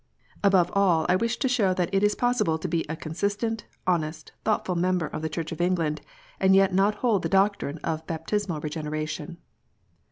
Above all, I wish to show that it is possible to be a consistent, honest, thought ful member of the Church of England, and yet not to hold the doctrine of Baptismal Regeneration.